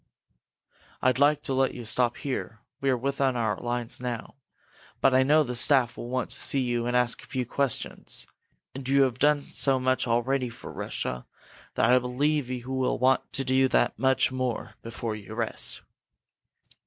"I'd like to let you stop here we are within our lines now but I know the staff will want to see you and ask a few questions. And you have done so much already for Russia that I believe you will want to do that much more before you rest."